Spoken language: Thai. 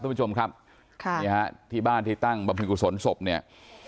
คุณผู้ชมครับค่ะนี่ฮะที่บ้านที่ตั้งบำเพ็ญกุศลศพเนี่ย